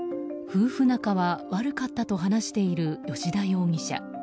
夫婦仲は悪かったと話している吉田容疑者。